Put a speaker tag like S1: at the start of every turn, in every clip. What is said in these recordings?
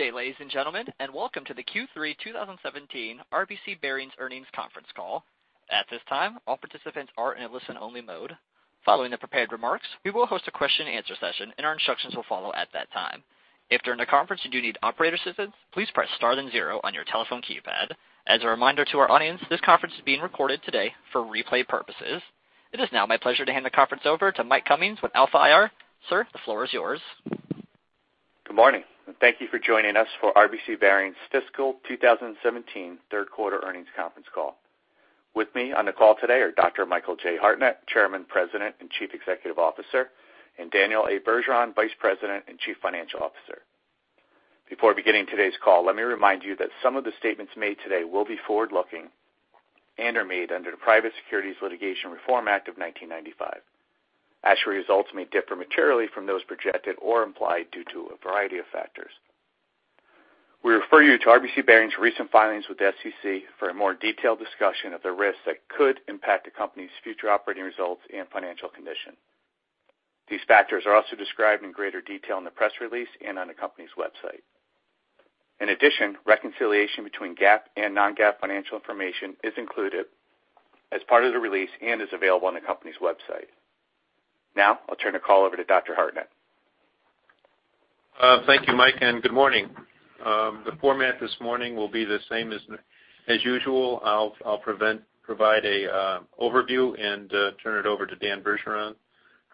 S1: Good day, ladies and gentlemen, and welcome to the Q3 2017 RBC Bearings earnings conference call. At this time, all participants are in a listen-only mode. Following the prepared remarks, we will host a Q&A session, and our instructions will follow at that time. If during the conference you do need operator assistance, please press star then zero on your telephone keypad. As a reminder to our audience, this conference is being recorded today for replay purposes. It is now my pleasure to hand the conference over to Mike Cummings with Alpha IR. Sir, the floor is yours.
S2: Good morning, and thank you for joining us for RBC Bearings fiscal 2017 Q3 earnings conference call. With me on the call today are Dr. Michael J. Hartnett, Chairman, President, and Chief Executive Officer, and Daniel A. Bergeron, Vice President and Chief Financial Officer. Before beginning today's call, let me remind you that some of the statements made today will be forward-looking and are made under the Private Securities Litigation Reform Act of 1995. Actual results may differ materially from those projected or implied due to a variety of factors. We refer you to RBC Bearings' recent filings with the SEC for a more detailed discussion of the risks that could impact a company's future operating results and financial condition. These factors are also described in greater detail in the press release and on the company's website. In addition, reconciliation between GAAP and non-GAAP financial information is included as part of the release and is available on the company's website. Now, I'll turn the call over to Dr. Hartnett.
S3: Thank you, Mike, and good morning. The format this morning will be the same as usual. I'll provide an overview and turn it over to Dan Bergeron,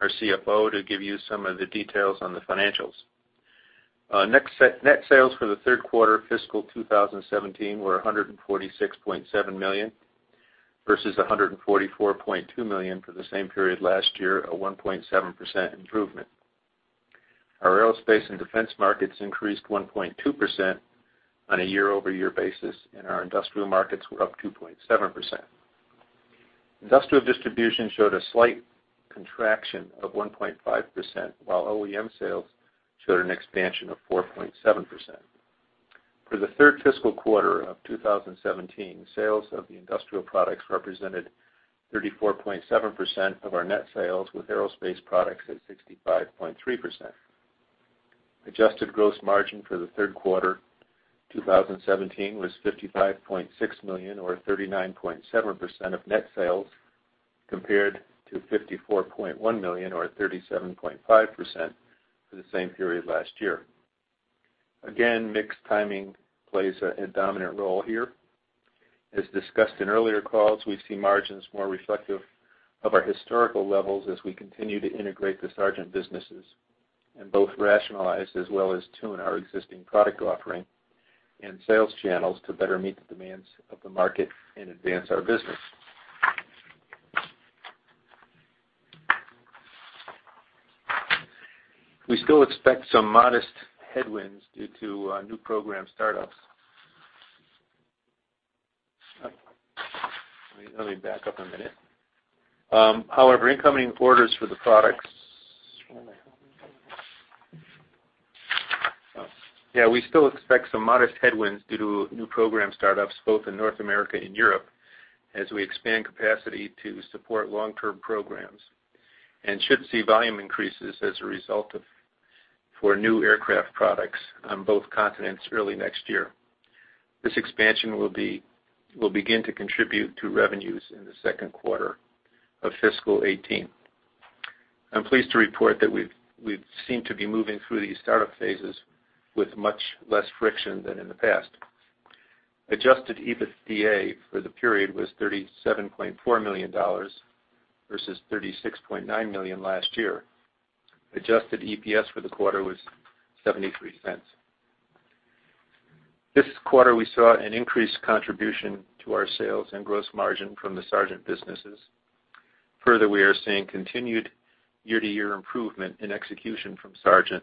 S3: our CFO, to give you some of the details on the financials. Net sales for the Q3 fiscal 2017 were $146.7 million versus $144.2 million for the same period last year, a 1.7% improvement. Our aerospace and defense markets increased 1.2% on a year-over-year basis, and our industrial markets were up 2.7%. Industrial distribution showed a slight contraction of 1.5%, while OEM sales showed an expansion of 4.7%. For the third fiscal quarter of 2017, sales of the industrial products represented 34.7% of our net sales, with aerospace products at 65.3%. Adjusted gross margin for the Q3 2017 was $55.6 million or 39.7% of net sales, compared to $54.1 million or 37.5% for the same period last year. Again, mixed timing plays a dominant role here. As discussed in earlier calls, we see margins more reflective of our historical levels as we continue to integrate the Sargent businesses and both rationalize as well as tune our existing product offering and sales channels to better meet the demands of the market and advance our business. We still expect some modest headwinds due to new program startups. Let me back up a minute. However, incoming orders for the products, oh, yeah we still expect some modest headwinds due to new program startups both in North America and Europe as we expand capacity to support long-term programs and should see volume increases as a result of new aircraft products on both continents early next year. This expansion will begin to contribute to revenues in the Q2 of fiscal 2018. I'm pleased to report that we've seemed to be moving through these startup phases with much less friction than in the past. Adjusted EBITDA for the period was $37.4 million versus $36.9 million last year. Adjusted EPS for the quarter was $0.73. This quarter, we saw an increased contribution to our sales and gross margin from the Sargent businesses. Further, we are seeing continued year-to-year improvement in execution from Sargent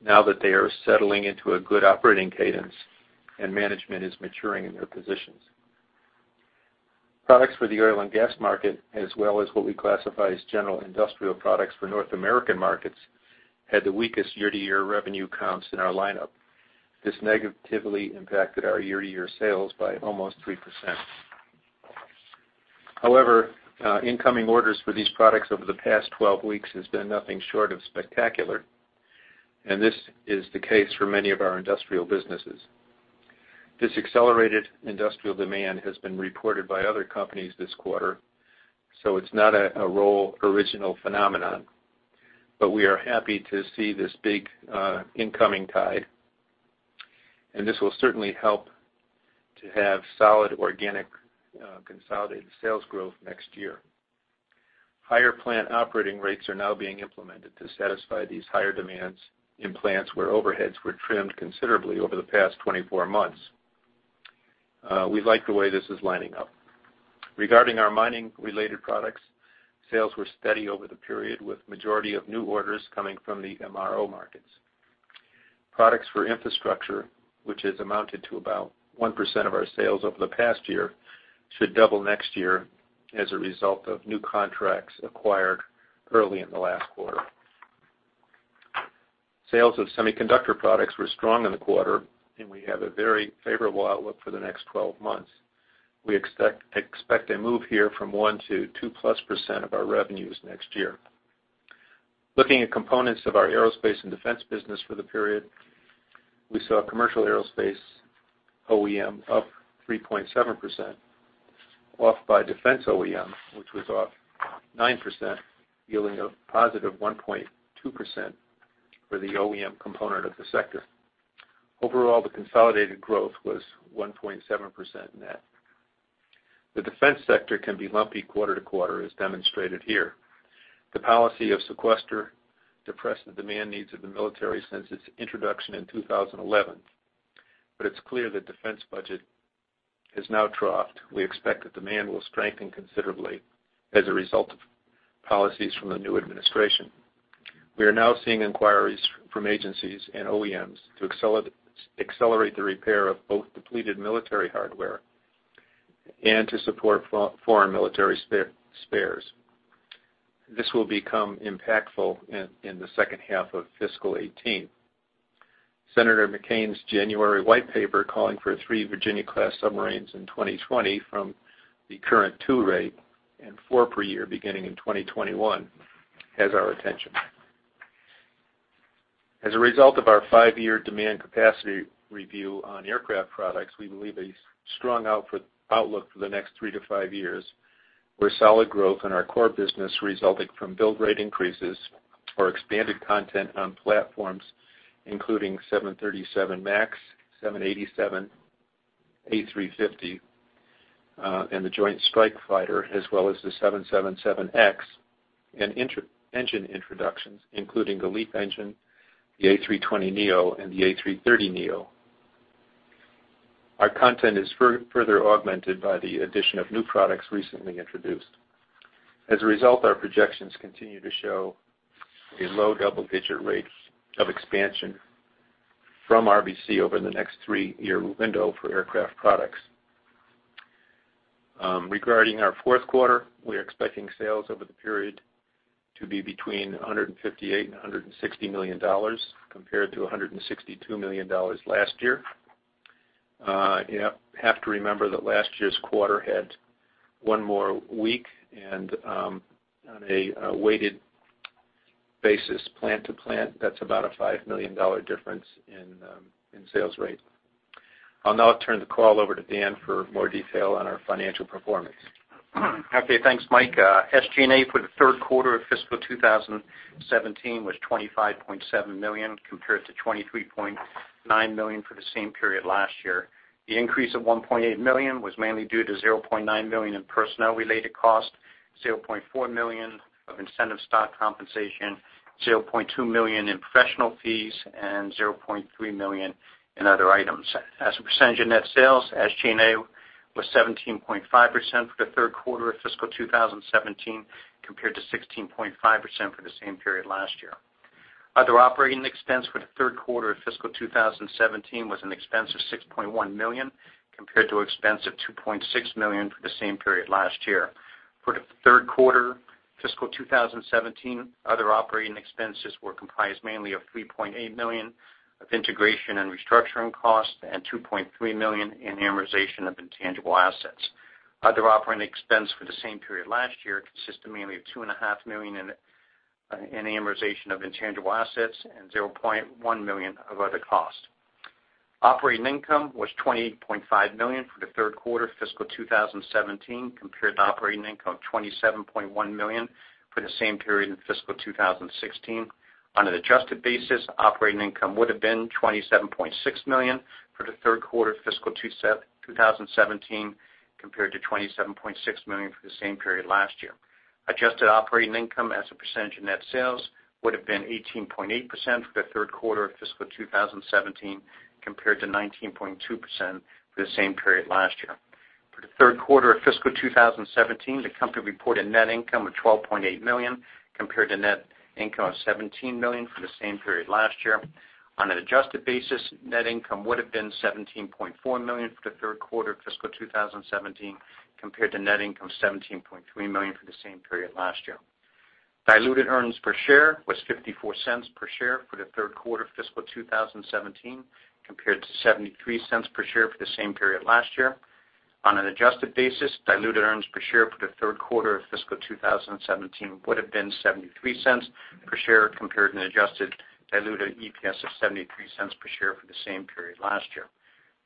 S3: now that they are settling into a good operating cadence and management is maturing in their positions. Products for the oil and gas market, as well as what we classify as general industrial products for North American markets, had the weakest year-to-year revenue counts in our lineup. This negatively impacted our year-to-year sales by almost 3%. However, incoming orders for these products over the past 12 weeks has been nothing short of spectacular, and this is the case for many of our industrial businesses. This accelerated industrial demand has been reported by other companies this quarter, so it's not a RBC-original phenomenon. But we are happy to see this big, incoming tide, and this will certainly help to have solid organic, consolidated sales growth next year. Higher plant operating rates are now being implemented to satisfy these higher demands in plants where overheads were trimmed considerably over the past 24 months. We like the way this is lining up. Regarding our mining-related products, sales were steady over the period, with the majority of new orders coming from the MRO markets. Products for infrastructure, which has amounted to about 1% of our sales over the past year, should double next year as a result of new contracts acquired early in the last quarter. Sales of semiconductor products were strong in the quarter, and we have a very favorable outlook for the next 12 months. We expect a move here from 1% to 2%+ of our revenues next year. Looking at components of our aerospace and defense business for the period, we saw commercial aerospace OEM up 3.7%, offset by defense OEM, which was off 9%, yielding a positive 1.2% for the OEM component of the sector. Overall, the consolidated growth was 1.7% net. The defense sector can be lumpy quarter to quarter, as demonstrated here. The policy of sequester depressed the demand needs of the military since its introduction in 2011, but it's clear that defense budget has now troughed. We expect that demand will strengthen considerably as a result of policies from the new administration. We are now seeing inquiries from agencies and OEMs to accelerate the repair of both depleted military hardware and to support foreign military spares. This will become impactful in the second half of fiscal 2018. Senator McCain's January white paper calling for three Virginia-class submarines in 2020 from the current 2-rate and 4-per-year beginning in 2021 has our attention. As a result of our five year demand capacity review on aircraft products, we believe a strong outlook for the next 3-5 years with solid growth in our core business resulting from build-rate increases or expanded content on platforms including 737 MAX, 787, A350, and the Joint Strike Fighter, as well as the 777X, and new engine introductions including the LEAP engine, the A320neo, and the A330neo. Our content is further augmented by the addition of new products recently introduced. As a result, our projections continue to show a low double-digit rate of expansion from RBC over the next three year window for aircraft products. Regarding our Q4, we are expecting sales over the period to be between $158 million and $160 million compared to $162 million last year. You have to remember that last year's quarter had one more week, and on a weighted basis, plant to plant, that's about a $5 million difference in sales rate. I'll now turn the call over to Dan for more detail on our financial performance.
S4: Okay, thanks, Mike. SG&A for the Q3 of fiscal 2017 was $25.7 million compared to $23.9 million for the same period last year. The increase of $1.8 million was mainly due to $0.9 million in personnel-related costs, $0.4 million of incentive stock compensation, $0.2 million in professional fees, and $0.3 million in other items. As a percentage of net sales, SG&A was 17.5% for the Q3 of fiscal 2017 compared to 16.5% for the same period last year. Other operating expense for the Q3 of fiscal 2017 was an expense of $6.1 million compared to an expense of $2.6 million for the same period last year. For the Q3 fiscal 2017, other operating expenses were comprised mainly of $3.8 million of integration and restructuring costs and $2.3 million in amortization of intangible assets. Other operating expense for the same period last year consisted mainly of $2.5 million in amortization of intangible assets and $0.1 million of other costs. Operating income was $28.5 million for the Q3 fiscal 2017 compared to operating income of $27.1 million for the same period in fiscal 2016. On an adjusted basis, operating income would have been $27.6 million for the Q3 fiscal 2017 compared to $27.6 million for the same period last year. Adjusted operating income as a percentage of net sales would have been 18.8% for the Q3 of fiscal 2017 compared to 19.2% for the same period last year. For the Q3 of fiscal 2017, the company reported net income of $12.8 million compared to net income of $17 million for the same period last year. On an adjusted basis, net income would have been $17.4 million for the Q3 of fiscal 2017 compared to net income of $17.3 million for the same period last year. Diluted earnings per share was $0.54 per share for the Q3 fiscal 2017 compared to $0.73 per share for the same period last year. On an adjusted basis, diluted earnings per share for the Q3 of fiscal 2017 would have been $0.73 per share compared to an adjusted diluted EPS of $0.73 per share for the same period last year.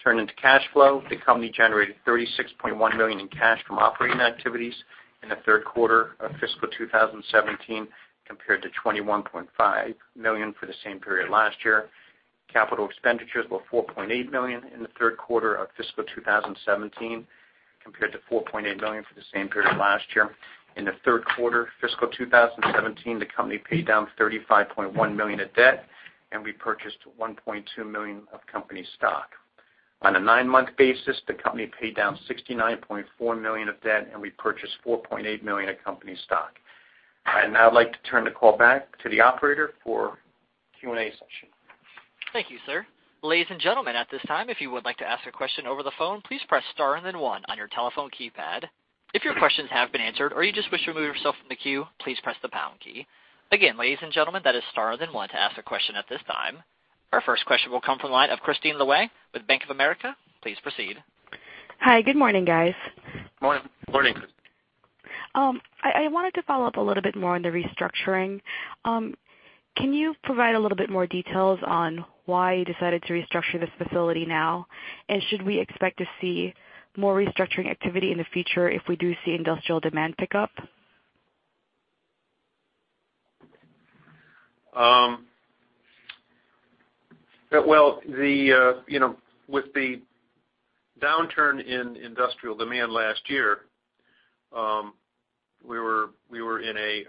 S4: Turning to cash flow, the company generated $36.1 million in cash from operating activities in the Q3 of fiscal 2017 compared to $21.5 million for the same period last year. Capital expenditures were $4.8 million in the Q3 of fiscal 2017 compared to $4.8 million for the same period last year. In the Q3 fiscal 2017, the company paid down $35.1 million of debt, and we purchased $1.2 million of company stock. On a nine-month basis, the company paid down $69.4 million of debt, and we purchased $4.8 million of company stock. I'd now like to turn the call back to the operator for Q&A session.
S1: Thank you, sir. Ladies and gentlemen, at this time, if you would like to ask a question over the phone, please press star and then one on your telephone keypad. If your questions have been answered or you just wish to remove yourself from the queue, please press the pound key. Again, ladies and gentlemen, that is star and then one to ask a question at this time. Our first question will come from the line of Kristine Liwag with Bank of America. Please proceed.
S5: Hi, good morning, guys.
S3: Morning, morning, Kristine.
S5: I wanted to follow up a little bit more on the restructuring. Can you provide a little bit more details on why you decided to restructure this facility now, and should we expect to see more restructuring activity in the future if we do see industrial demand pick up?
S3: Well, you know, with the downturn in industrial demand last year, we were in a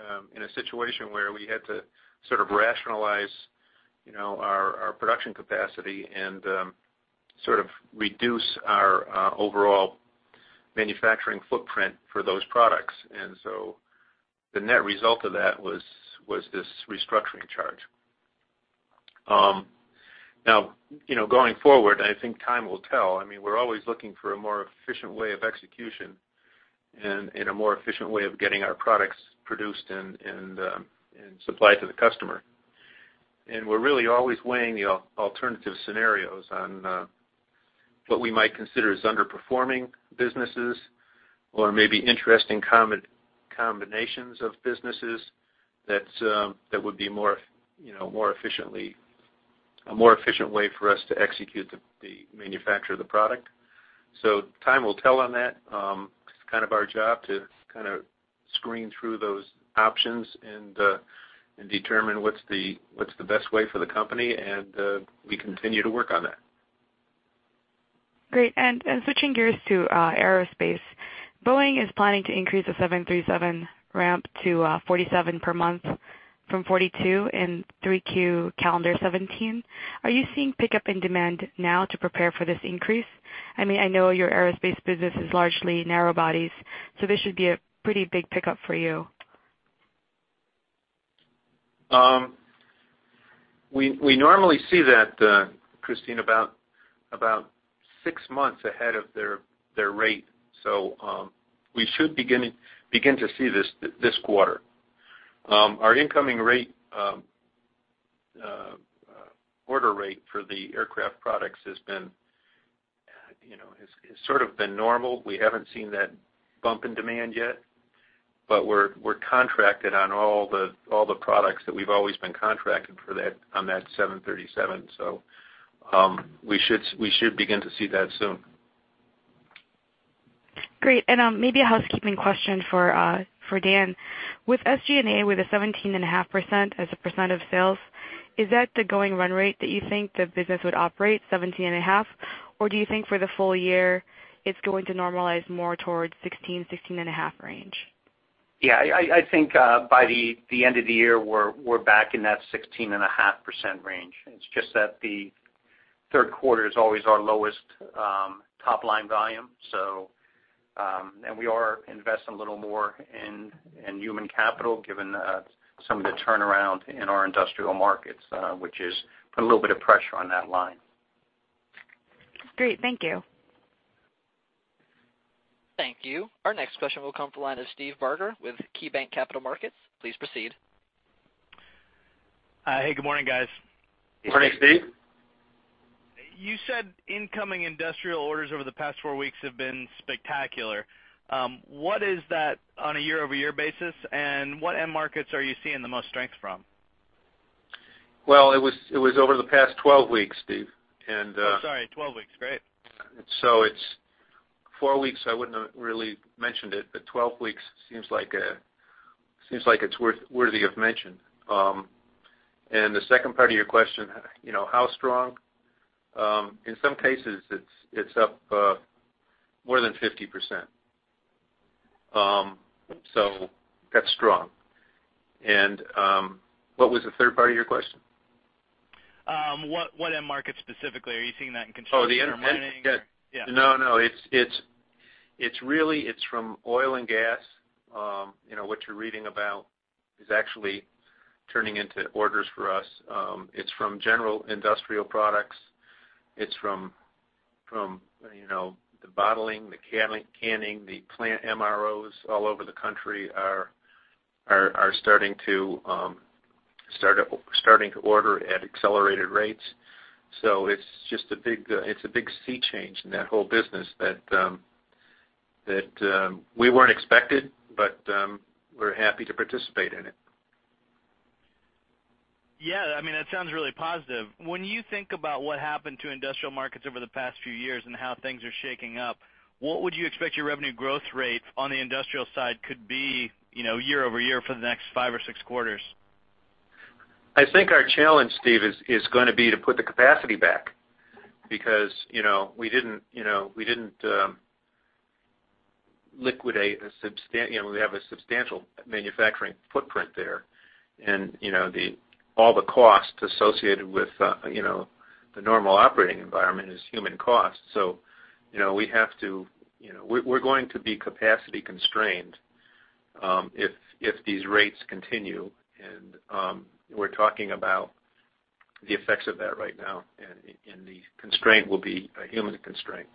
S3: situation where we had to sort of rationalize, you know, our production capacity and sort of reduce our overall manufacturing footprint for those products. And so the net result of that was this restructuring charge. Now, you know, going forward, I think time will tell. I mean, we're always looking for a more efficient way of execution and a more efficient way of getting our products produced and supplied to the customer. And we're really always weighing the alternative scenarios on what we might consider as underperforming businesses or maybe interesting combinations of businesses that would be more, you know, a more efficient way for us to execute the manufacture of the product. So time will tell on that. It's kind of our job to kind of screen through those options and determine what's the best way for the company. We continue to work on that.
S5: Great. And switching gears to aerospace, Boeing is planning to increase the 737 ramp to 47 per month from 42 in 3Q calendar 2017. Are you seeing pickup in demand now to prepare for this increase? I mean, I know your aerospace business is largely narrowbodies, so this should be a pretty big pickup for you.
S3: We normally see that, Kristine, about six months ahead of their rate. So, we should begin to see this quarter. Our incoming order rate for the aircraft products has been, you know, sort of been normal. We haven't seen that bump in demand yet, but we're contracted on all the products that we've always been contracted for that on that 737. So, we should begin to see that soon.
S5: Great. Maybe a housekeeping question for Dan. With SG&A, with a 17.5% as a percent of sales, is that the going run rate that you think the business would operate, 17.5%, or do you think for the full year, it's going to normalize more towards 16% to 16.5% range?
S3: Yeah, I think by the end of the year, we're back in that 16.5% range. It's just that the Q3 is always our lowest top-line volume. So, and we are investing a little more in human capital given some of the turnaround in our industrial markets, which has put a little bit of pressure on that line.
S5: Great. Thank you.
S1: Thank you. Our next question will come from the line of Steve Barger with KeyBanc Capital Markets. Please proceed.
S6: Hey, good morning, guys.
S3: Hey, good morning, Steve.
S6: You said incoming industrial orders over the past four weeks have been spectacular. What is that on a year-over-year basis, and what end markets are you seeing the most strength from?
S3: Well, it was over the past 12 weeks, Steve, and,
S6: Oh, sorry. 12 weeks. Great.
S3: Yeah. So it's four weeks. I wouldn't have really mentioned it, but 12 weeks seems like it's worthy of mention. And the second part of your question, you know, how strong? In some cases, it's up more than 50%. So that's strong. And what was the third part of your question?
S6: What end markets specifically? Are you seeing that in construction or mining?
S3: Oh, the end markets? Yeah.
S6: Yeah.
S3: No, no. It's really from oil and gas. You know, what you're reading about is actually turning into orders for us. It's from general industrial products. It's from, you know, the bottling, the canning, the plant MROs all over the country are starting to order at accelerated rates. So it's just a big sea change in that whole business that we weren't expected, but we're happy to participate in it.
S6: Yeah. I mean, that sounds really positive. When you think about what happened to industrial markets over the past few years and how things are shaking up, what would you expect your revenue growth rate on the industrial side could be, you know, year-over-year for the next five or six quarters?
S3: I think our challenge, Steve, is gonna be to put the capacity back because, you know, we didn't liquidate a substantial manufacturing footprint there. And, you know, all the costs associated with, you know, the normal operating environment is human cost. So, you know, we're going to be capacity constrained if these rates continue. And, we're talking about the effects of that right now, and the constraint will be a human constraint.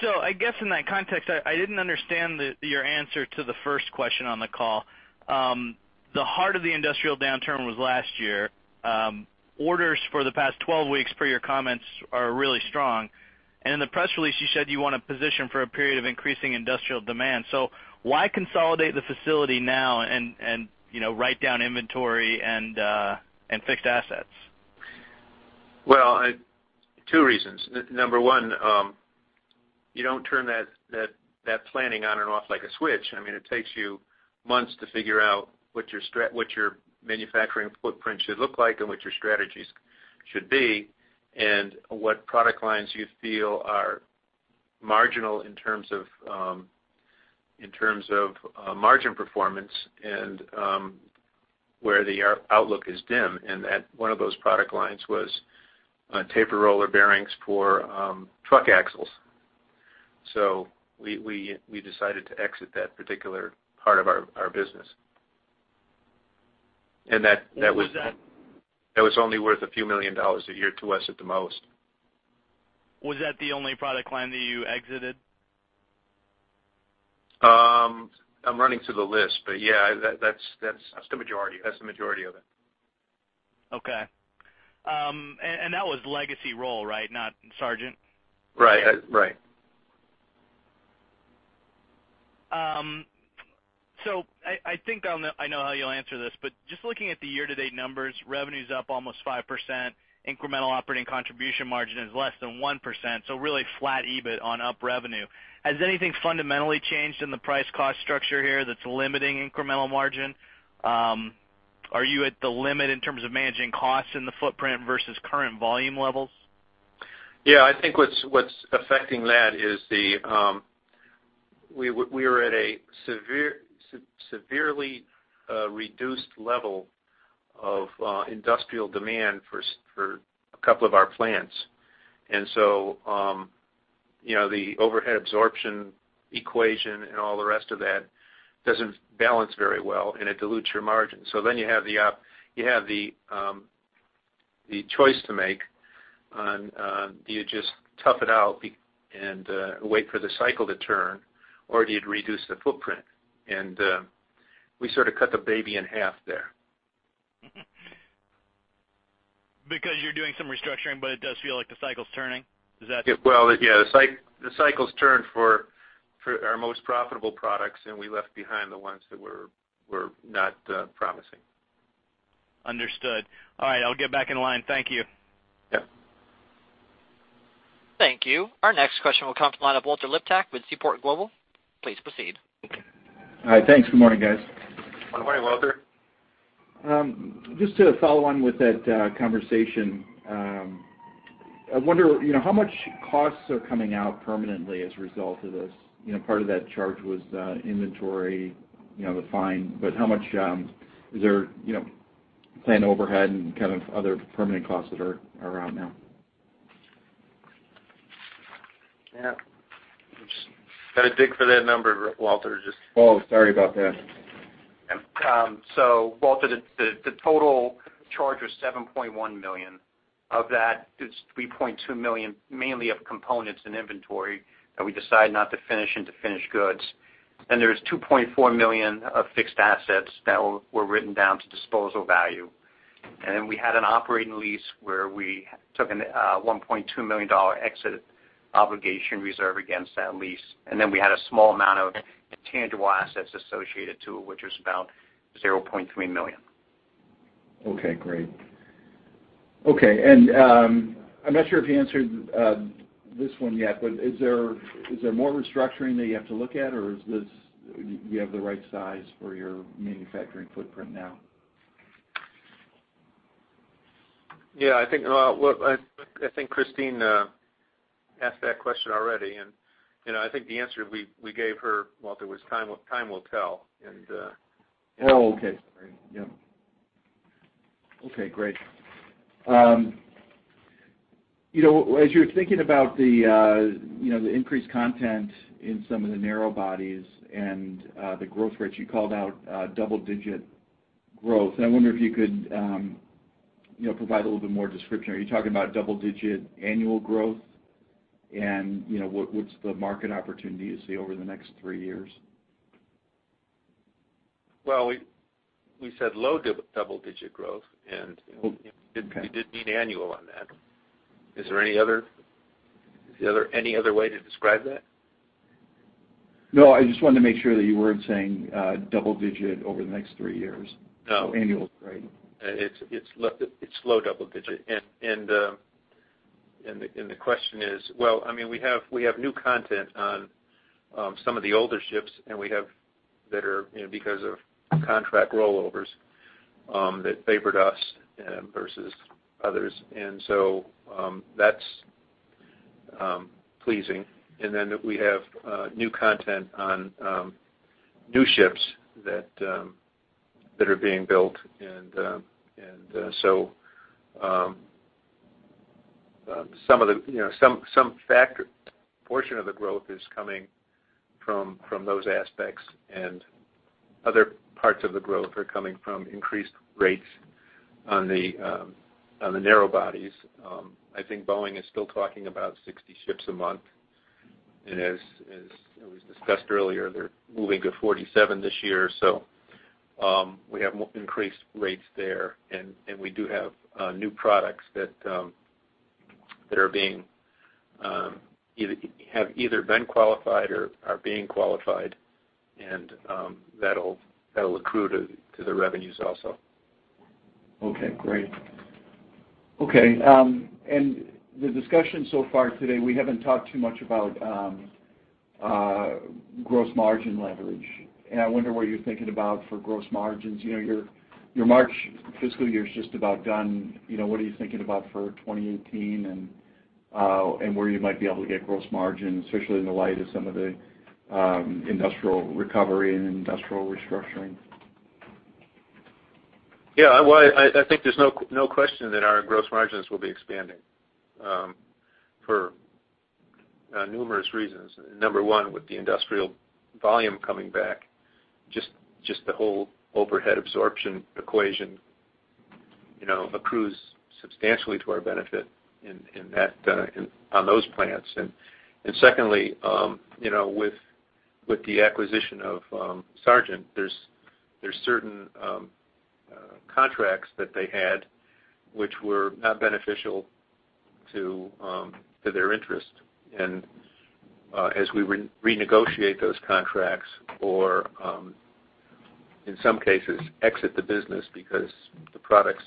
S6: So I guess in that context, I didn't understand your answer to the first question on the call. The heart of the industrial downturn was last year. Orders for the past 12 weeks, per your comments, are really strong. And in the press release, you said you want a position for a period of increasing industrial demand. So why consolidate the facility now and, you know, write down inventory and fixed assets?
S3: Well, there are two reasons. Number one, you don't turn that planning on and off like a switch. I mean, it takes you months to figure out what your manufacturing footprint should look like and what your strategies should be and what product lines you feel are marginal in terms of margin performance and where our outlook is dim. And that one of those product lines was tapered roller bearings for truck axles. So we decided to exit that particular part of our business. And that was.
S6: Was that?
S3: That was only worth a few million dollars a year to us at the most.
S6: Was that the only product line that you exited?
S3: I'm running through the list, but yeah, that's the majority. That's the majority of it.
S6: Okay. And that was legacy roller, right, not Sargent?
S3: Right. right.
S6: So, I, I think I'll know I know how you'll answer this, but just looking at the year-to-date numbers, revenue's up almost 5%. Incremental operating contribution margin is less than 1%, so really flat EBIT on up revenue. Has anything fundamentally changed in the price-cost structure here that's limiting incremental margin? Are you at the limit in terms of managing costs in the footprint versus current volume levels?
S3: Yeah. I think what's affecting that is we were at a severely reduced level of industrial demand for a couple of our plants. And so, you know, the overhead absorption equation and all the rest of that doesn't balance very well, and it dilutes your margin. So then you have the choice to make on do you just tough it out and wait for the cycle to turn, or do you reduce the footprint? And we sort of cut the baby in half there.
S6: Because you're doing some restructuring, but it does feel like the cycle's turning? Is that?
S3: Well, yeah. The cycles turned for our most profitable products, and we left behind the ones that were not promising.
S6: Understood. All right. I'll get back in line. Thank you.
S3: Yep.
S1: Thank you. Our next question will come from the line of Walter Liptak with Seaport Global. Please proceed.
S7: All right. Thanks. Good morning, guys.
S4: Good morning, Walter.
S7: Just to follow on with that conversation, I wonder, you know, how much costs are coming out permanently as a result of this? You know, part of that charge was inventory, you know, the fine, but how much is there, you know, plant overhead and kind of other permanent costs that are out now?
S4: Yeah. I'm just gotta dig for that number, Walter. Just.
S7: Oh, sorry about that.
S4: Yeah. So, Walter, the total charge was $7.1 million. Of that, it's $3.2 million mainly of components and inventory that we decided not to finish and to finished goods. And there's $2.4 million of fixed assets that were written down to disposal value. And then we had an operating lease where we took a $1.2 million exit obligation reserve against that lease. And then we had a small amount of tangible assets associated to it, which was about $0.3 million.
S7: Okay. Great. Okay. And I'm not sure if you answered this one yet, but is there more restructuring that you have to look at, or is this you have the right size for your manufacturing footprint now?
S3: Yeah. I think, well, I think Kristine asked that question already. And, you know, I think the answer we gave her, Walter, was time will tell. And,
S7: Oh, okay. Sorry. Yep. Okay. Great. You know, as you're thinking about the, you know, the increased content in some of the narrowbodies and the growth rates you called out, double-digit growth. I wonder if you could, you know, provide a little bit more description. Are you talking about double-digit annual growth, and you know, what, what's the market opportunity you see over the next three years?
S3: Well, we said low double-digit growth, and, you know, you did.
S7: Okay.
S3: We did mean annual on that. Is there any other way to describe that?
S7: No. I just wanted to make sure that you weren't saying double-digit over the next three years.
S3: No.
S7: Annual's great.
S3: It's low double-digit. And the question is, well, I mean, we have new content on some of the older ships, and we have that are, you know, because of contract rollovers, that favored us versus others. And so that's pleasing. And then we have new content on new ships that are being built. And so some of the, you know, some factor portion of the growth is coming from those aspects, and other parts of the growth are coming from increased rates on the narrowbodies. I think Boeing is still talking about 60 ships a month. And as it was discussed earlier, they're moving to 47 this year. So we have increased rates there. And we do have new products that either have been qualified or are being qualified. And that'll accrue to the revenues also.
S7: Okay. Great. Okay. In the discussion so far today, we haven't talked too much about gross margin leverage. I wonder what you're thinking about for gross margins. You know, your, your March fiscal year's just about done. You know, what are you thinking about for 2018 and, and where you might be able to get gross margin, especially in the light of some of the industrial recovery and industrial restructuring?
S3: Yeah. Well, I think there's no question that our gross margins will be expanding, for numerous reasons. Number one, with the industrial volume coming back, just the whole overhead absorption equation, you know, accrues substantially to our benefit in that, in on those plants. And secondly, you know, with the acquisition of Sargent, there's certain contracts that they had which were not beneficial to their interest. And, as we renegotiate those contracts or, in some cases, exit the business because the products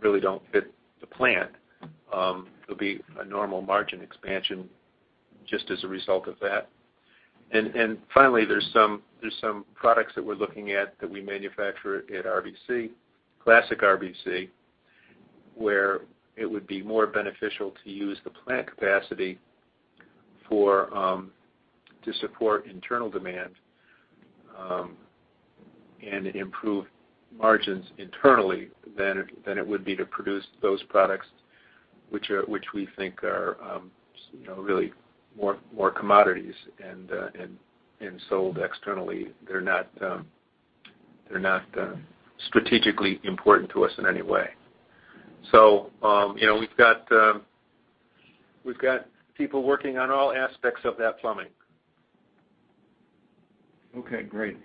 S3: really don't fit the plant, there'll be a normal margin expansion just as a result of that. And finally, there's some products that we're looking at that we manufacture at RBC, classic RBC, where it would be more beneficial to use the plant capacity for to support internal demand and improve margins internally than it would be to produce those products which we think are, you know, really more commodities and sold externally. They're not strategically important to us in any way. So, you know, we've got people working on all aspects of that plumbing.
S7: Okay. Great.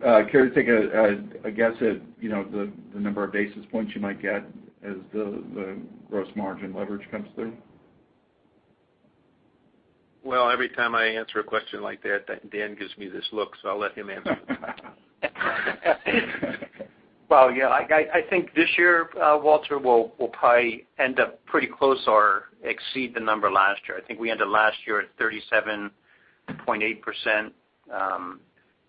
S7: Care to take a guess at, you know, the number of basis points you might get as the gross margin leverage comes through?
S3: Well, every time I answer a question like that, Dan gives me this look, so I'll let him answer it.
S4: Well, yeah. Like, I think this year, Walter will probably end up pretty close or exceed the number last year. I think we ended last year at 37.8%.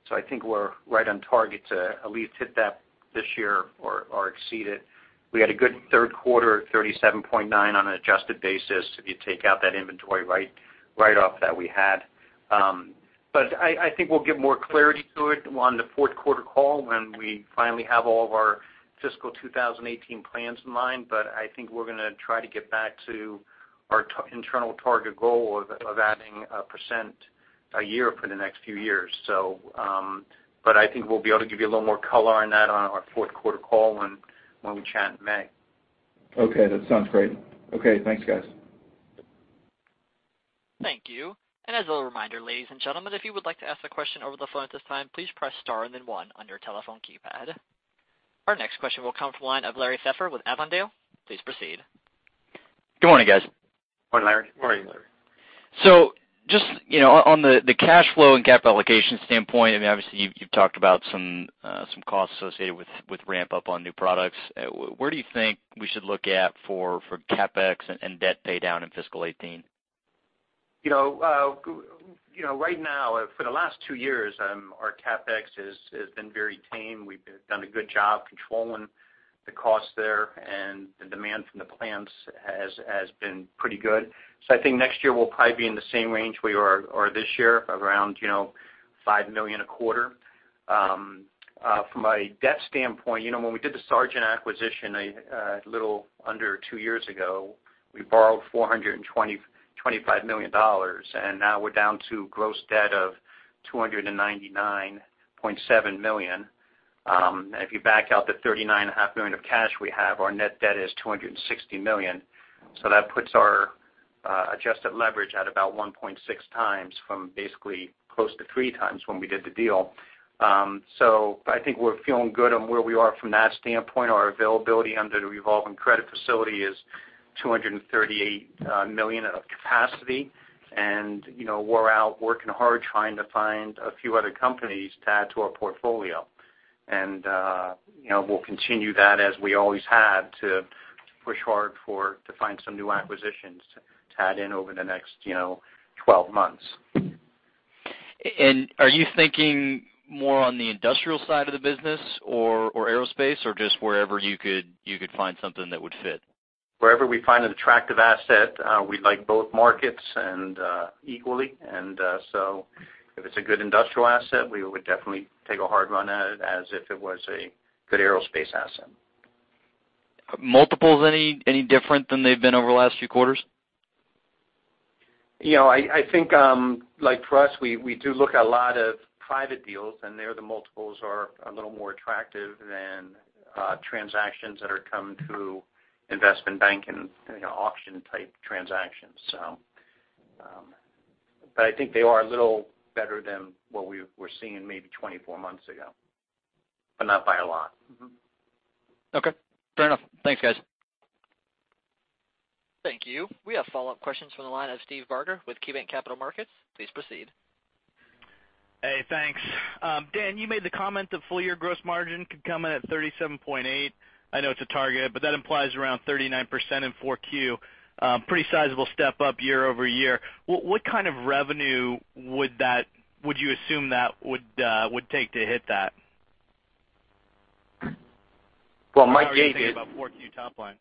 S4: So I think we're right on target to at least hit that this year or exceed it. We had a good Q3, 37.9% on an adjusted basis if you take out that inventory write-off that we had. But I think we'll get more clarity to it on the Q4 call when we finally have all of our fiscal 2018 plans in line. But I think we're gonna try to get back to our internal target goal of adding a percent a year for the next few years. So, but I think we'll be able to give you a little more color on that on our Q4 call when we chat in May.
S7: Okay. That sounds great. Okay. Thanks, guys.
S1: Thank you. As a little reminder, ladies and gentlemen, if you would like to ask a question over the phone at this time, please press star and then one on your telephone keypad. Our next question will come from the line of Larry De Maria with Avondale Partners. Please proceed.
S8: Good morning, guys.
S3: Morning, Larry.
S9: Morning, Larry. So just, you know, on the cash flow and CapEx allocation standpoint, I mean, obviously, you've talked about some costs associated with ramp-up on new products. Where do you think we should look at for CapEx and debt paydown in fiscal 2018?
S4: You know, you know, right now, for the last two years, our CapEx has been very tame. We've done a good job controlling the costs there, and the demand from the plants has been pretty good. So I think next year, we'll probably be in the same range we are or this year, around, you know, $5 million a quarter. From a debt standpoint, you know, when we did the Sargent acquisition, a little under two years ago, we borrowed $425 million, and now we're down to gross debt of $299.7 million. And if you back out the $39.5 million of cash we have, our net debt is $260 million. So that puts our adjusted leverage at about 1.6x from basically close to 3x when we did the deal. So I think we're feeling good on where we are from that standpoint. Our availability under the revolving credit facility is $238 million of capacity. You know, we're out working hard trying to find a few other companies to add to our portfolio. You know, we'll continue that as we always have to push hard for to find some new acquisitions to, to add in over the next, you know, 12 months.
S8: And are you thinking more on the industrial side of the business or aerospace, or just wherever you could find something that would fit?
S4: Wherever we find an attractive asset, we like both markets equally. And so if it's a good industrial asset, we would definitely take a hard run at it as if it was a good aerospace asset.
S8: multiples any different than they've been over the last few quarters?
S4: You know, I think, like for us, we do look at a lot of private deals, and there the multiples are a little more attractive than transactions that are coming through investment bank and, you know, auction-type transactions, so. But I think they are a little better than what we were seeing maybe 24 months ago, but not by a lot. Mm-hmm.
S8: Okay. Fair enough. Thanks, guys.
S1: Thank you. We have follow-up questions from the line of Steve Barger with KeyBanc Capital Markets. Please proceed.
S6: Hey. Thanks. Dan, you made the comment that full-year gross margin could come in at 37.8%. I know it's a target, but that implies around 39% in 4Q, pretty sizable step up year-over-year. What kind of revenue would you assume that would take to hit that?
S4: Well, Mike gave it.
S6: I'm talking about 4Q top line.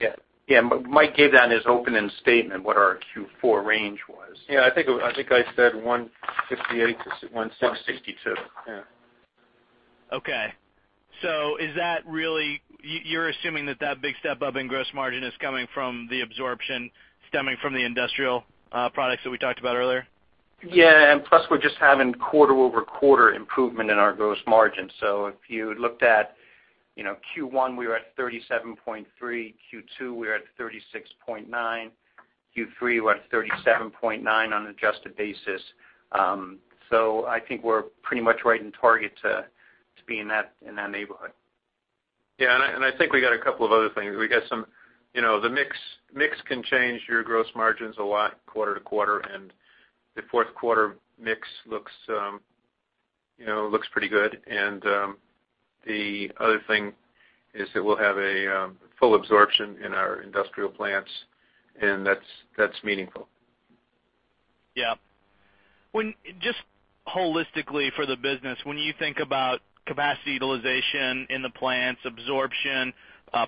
S4: Yeah. Yeah. Mike gave that in his opening statement, what our Q4 range was.
S3: Yeah. I think I said 158 to 16.
S4: 162. Yeah.
S6: Okay. So is that really you're assuming that that big step up in gross margin is coming from the absorption stemming from the industrial products that we talked about earlier?
S4: Yeah. Plus, we're just having quarter-over-quarter improvement in our gross margin. So if you looked at, you know, Q1, we were at 37.3. Q2, we were at 36.9. Q3, we're at 37.9 on an adjusted basis. So I think we're pretty much right in target to be in that neighborhood.
S3: Yeah. And I think we got a couple of other things. We got some, you know, the mix can change your gross margins a lot quarter to quarter. And the other thing is that we'll have full absorption in our industrial plants, and that's meaningful.
S6: Yeah. When just holistically for the business, when you think about capacity utilization in the plants, absorption,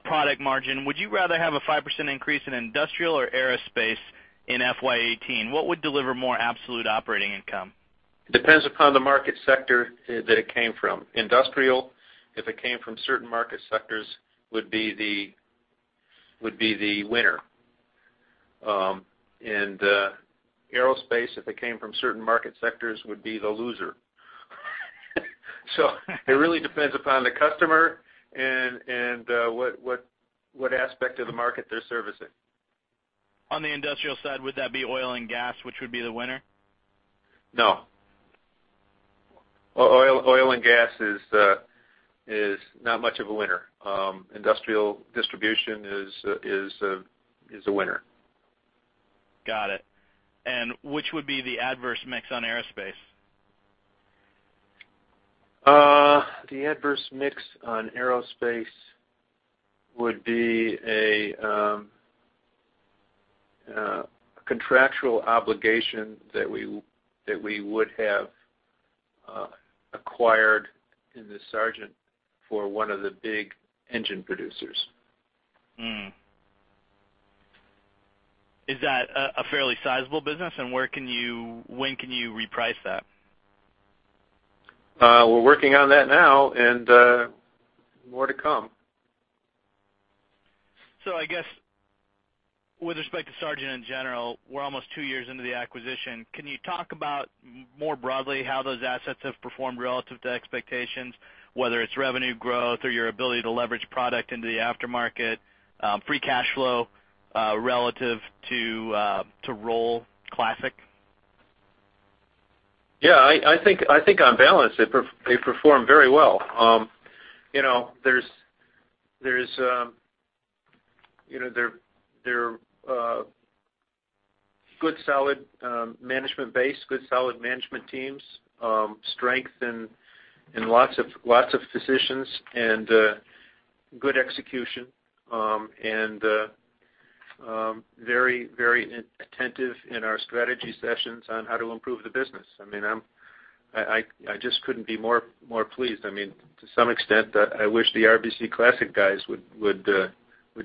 S6: product margin, would you rather have a 5% increase in industrial or aerospace in FY 2018? What would deliver more absolute operating income?
S3: It depends upon the market sector that it came from. Industrial, if it came from certain market sectors, would be the winner. Aerospace, if it came from certain market sectors, would be the loser. So it really depends upon the customer and what aspect of the market they're servicing.
S6: On the industrial side, would that be oil and gas, which would be the winner?
S3: No. Oil, oil and gas is not much of a winner. Industrial distribution is a winner.
S6: Got it. And which would be the adverse mix on aerospace?
S3: The adverse mix on aerospace would be a contractual obligation that we would have acquired in the Sargent for one of the big engine producers.
S6: Is that a fairly sizable business? And when can you reprice that?
S3: We're working on that now, and, more to come.
S6: So I guess with respect to Sargent in general, we're almost two years into the acquisition. Can you talk about more broadly how those assets have performed relative to expectations, whether it's revenue growth or your ability to leverage product into the aftermarket, free cash flow, relative to RBC classic?
S3: Yeah. I think on balance, they perform very well. You know, there's you know, they're good, solid management base, good, solid management teams, strength in lots of positions, and good execution. And very attentive in our strategy sessions on how to improve the business. I mean, I just couldn't be more pleased. I mean, to some extent, I wish the RBC Classic guys would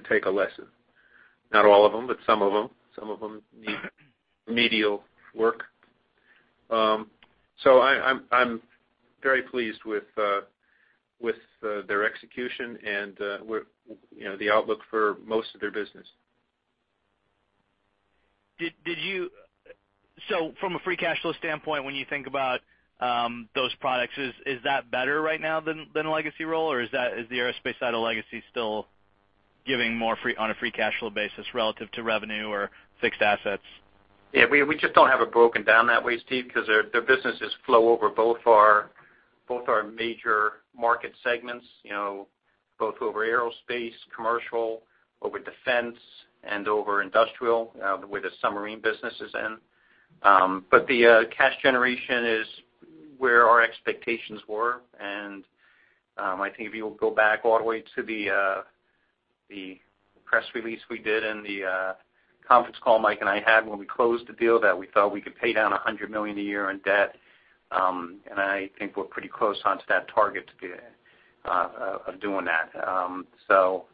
S3: take a lesson. Not all of them, but some of them. Some of them need remedial work. So I'm very pleased with their execution and, you know, the outlook for most of their business.
S6: Did you so from a free cash flow standpoint, when you think about those products, is that better right now than a legacy role? Or is the aerospace side of legacy still giving more free on a free cash flow basis relative to revenue or fixed assets?
S4: Yeah. We just don't have it broken down that way, Steve, 'cause their businesses flow over both our major market segments, you know, both over aerospace, commercial, over defense, and over industrial, where the submarine business is in. But the cash generation is where our expectations were. And I think if you'll go back all the way to the press release we did and the conference call Mike and I had when we closed the deal that we thought we could pay down $100 million a year in debt, and I think we're pretty close onto that target to be of doing that. So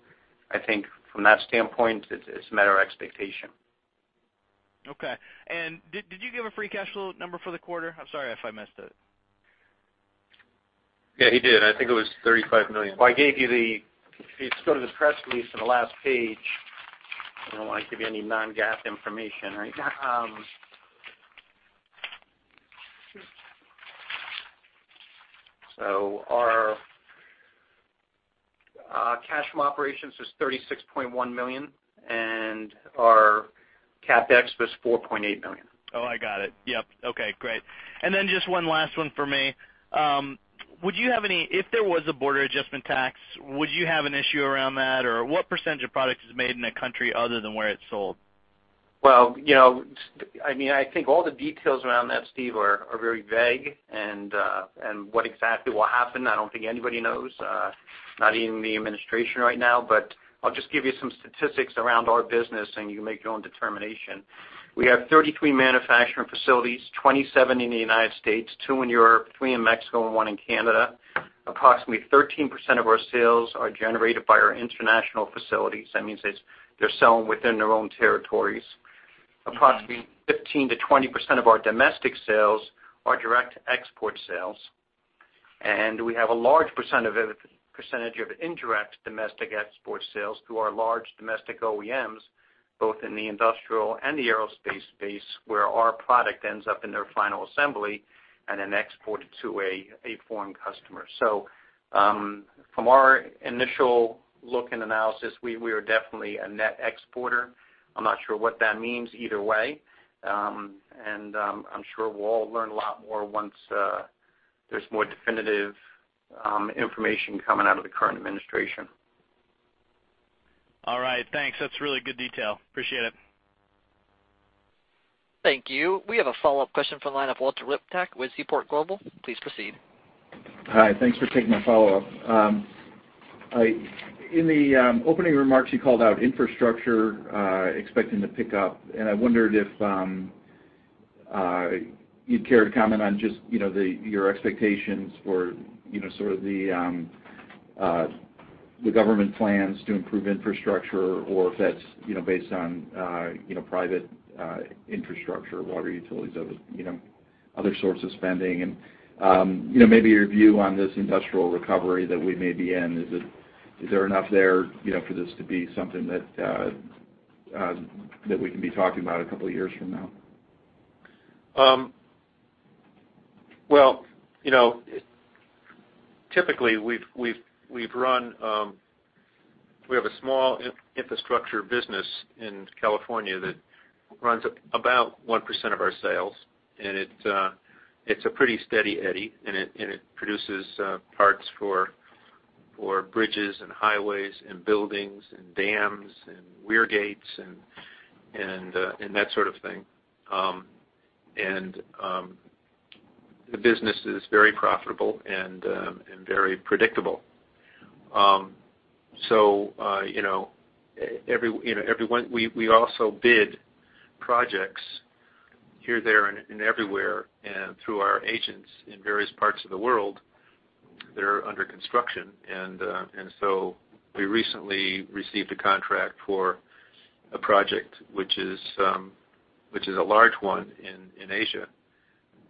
S4: I think from that standpoint, it's a matter of expectation.
S6: Okay. Did you give a free cash flow number for the quarter? I'm sorry if I missed it.
S3: Yeah. He did. I think it was $35 million.
S4: Well, I gave you the if you go to the press release on the last page, I don't wanna give you any non-GAAP information, right? Our cash from operations is $36.1 million, and our CapEx was $4.8 million.
S6: Oh, I got it. Yep. Okay. Great. And then just one last one for me. Would you have any if there was a border adjustment tax? Would you have an issue around that? Or what percentage of product is made in a country other than where it's sold?
S4: Well, you know, I mean, I think all the details around that, Steve, are very vague. And what exactly will happen, I don't think anybody knows, not even the administration right now. But I'll just give you some statistics around our business, and you can make your own determination. We have 33 manufacturing facilities, 27 in the United States, two in Europe, three in Mexico, and one in Canada. Approximately 13% of our sales are generated by our international facilities. That means they're selling within their own territories. Approximately.
S6: Mm-hmm.
S4: 15%-20% of our domestic sales are direct export sales. We have a large percentage of indirect domestic export sales through our large domestic OEMs, both in the industrial and the aerospace space, where our product ends up in their final assembly and then exported to a foreign customer. So, from our initial look and analysis, we are definitely a net exporter. I'm not sure what that means either way. I'm sure we'll all learn a lot more once there's more definitive information coming out of the current administration.
S6: All right. Thanks. That's really good detail. Appreciate it.
S1: Thank you. We have a follow-up question from the line of Walter Liptak with Seaport Global Securities. Please proceed.
S7: Hi. Thanks for taking my follow-up. In the opening remarks, you called out infrastructure expecting to pick up. And I wondered if you'd care to comment on just, you know, your expectations for, you know, sort of the government plans to improve infrastructure or if that's, you know, based on, you know, private infrastructure, water utilities, other, you know, other sources of spending. And, you know, maybe your view on this industrial recovery that we may be in. Is there enough there, you know, for this to be something that we can be talking about a couple of years from now?
S3: Well, you know, typically, we've run. We have a small infrastructure business in California that runs about 1% of our sales. And it's a pretty steady eddy. And it produces parts for bridges and highways and buildings and dams and weir gates and that sort of thing. And the business is very profitable and very predictable. So, you know, every one we also bid projects here, there, and everywhere, through our agents in various parts of the world that are under construction. And so we recently received a contract for a project which is a large one in Asia,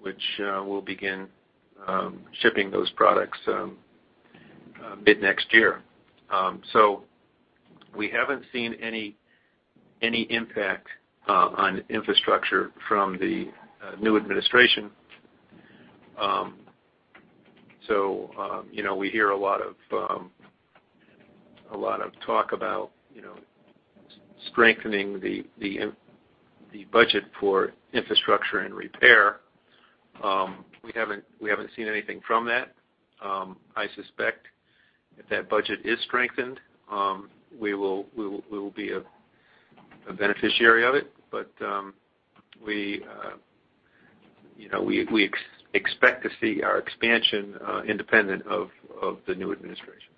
S3: which will begin shipping those products mid-next year. So we haven't seen any impact on infrastructure from the new administration. So, you know, we hear a lot of talk about strengthening the budget for infrastructure and repair. We haven't seen anything from that. I suspect if that budget is strengthened, we will be a beneficiary of it. But, you know, we expect to see our expansion independent of the new administration.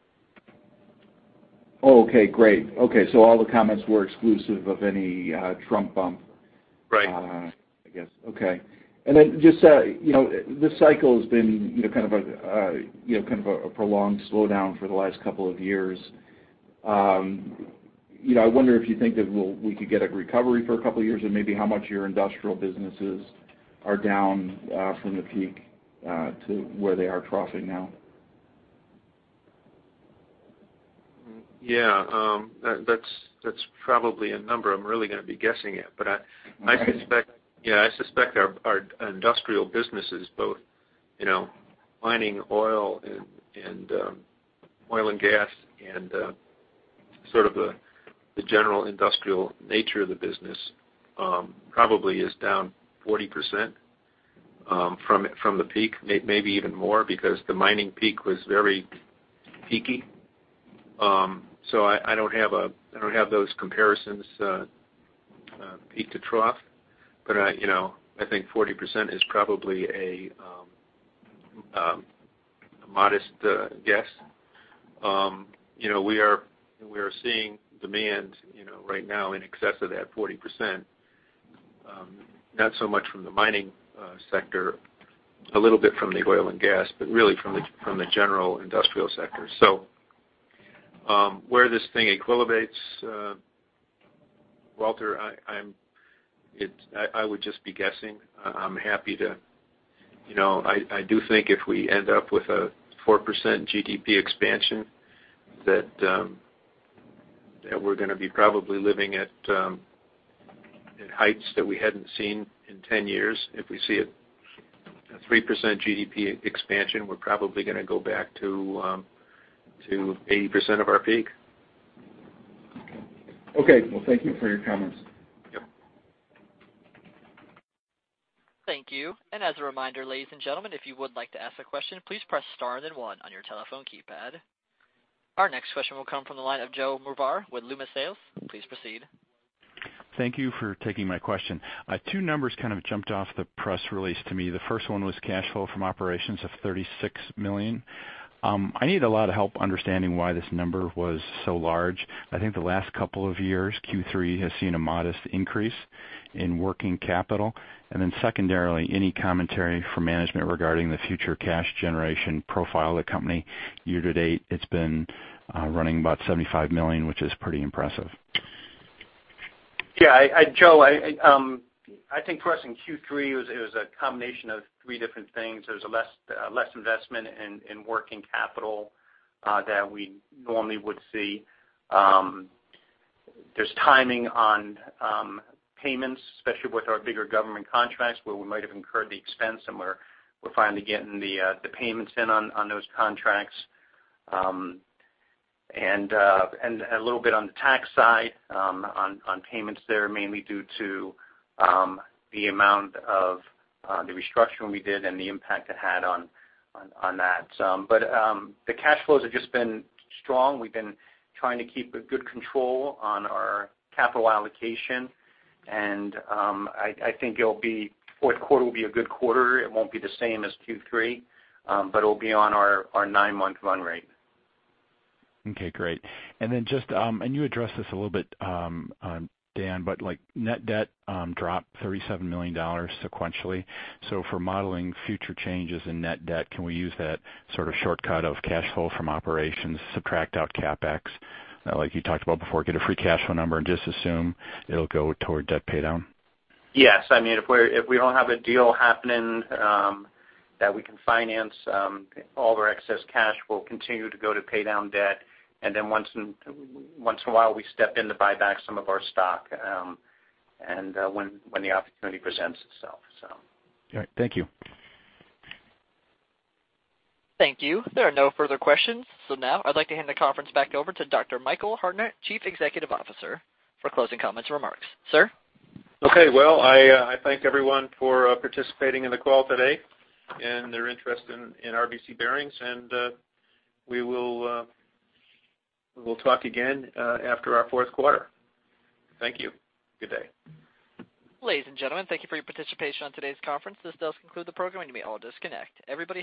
S7: Oh, okay. Great. Okay. So all the comments were exclusive of any, Trump bump.
S3: Right.
S7: I guess. Okay. And then just, you know, this cycle has been, you know, kind of a prolonged slowdown for the last couple of years. You know, I wonder if you think that we could get a recovery for a couple of years and maybe how much your industrial businesses are down from the peak to where they are troughing now.
S3: Yeah. That's probably a number. I'm really gonna be guessing it. But I suspect.
S7: Mm-hmm.
S3: Yeah. I suspect our industrial businesses, both, you know, mining, oil and gas and, sort of the general industrial nature of the business, probably is down 40%, from the peak, maybe even more because the mining peak was very peaky. So, I don't have those comparisons, peak to trough. But I, you know, I think 40% is probably a modest guess. You know, we are seeing demand, you know, right now in excess of that 40%, not so much from the mining sector, a little bit from the oil and gas, but really from the general industrial sector. So, where this thing equilibrates, Walter, I would just be guessing. I'm happy to you know, I do think if we end up with a 4% GDP expansion that we're gonna be probably living at heights that we hadn't seen in 10 years. If we see a 3% GDP expansion, we're probably gonna go back to 80% of our peak.
S7: Okay. Well, thank you for your comments.
S3: Yep.
S1: Thank you. And as a reminder, ladies and gentlemen, if you would like to ask a question, please press star and then one on your telephone keypad. Our next question will come from the line of Joe Marvan with Loomis, Sayles & Company. Please proceed.
S8: Thank you for taking my question. Two numbers kind of jumped off the press release to me. The first one was cash flow from operations of $36 million. I need a lot of help understanding why this number was so large. I think the last couple of years, Q3, has seen a modest increase in working capital. And then secondarily, any commentary from management regarding the future cash generation profile of the company? Year to date, it's been running about $75 million, which is pretty impressive.
S4: Yeah. Joe, I think for us in Q3, it was a combination of three different things. There was less investment in working capital that we normally would see. There's timing on payments, especially with our bigger government contracts where we might have incurred the expense, and we're finally getting the payments in on those contracts. And a little bit on the tax side, on payments there mainly due to the amount of the restructuring we did and the impact it had on that. But the cash flows have just been strong. We've been trying to keep a good control on our capital allocation. And I think the Q4 will be a good quarter. It won't be the same as Q3, but it'll be on our nine-month run rate.
S8: Okay. Great. And then just, and you addressed this a little bit, Dan, but, like, net debt dropped $37 million sequentially. So for modeling future changes in net debt, can we use that sort of shortcut of cash flow from operations, subtract out Capex, like you talked about before, get a free cash flow number, and just assume it'll go toward debt paydown?
S4: Yes. I mean, if we don't have a deal happening that we can finance, all the excess cash will continue to go to paydown debt. And then once in a while, we step in to buy back some of our stock, and when the opportunity presents itself, so.
S8: All right. Thank you.
S1: Thank you. There are no further questions. Now, I'd like to hand the conference back over to Dr. Michael Hartnett, Chief Executive Officer, for closing comments and remarks. Sir?
S3: Okay. Well, I thank everyone for participating in the call today and their interest in RBC Bearings. We will talk again after our Q4. Thank you. Good day.
S1: Ladies and gentlemen, thank you for your participation on today's conference. This does conclude the program, and you may all disconnect. Everybody.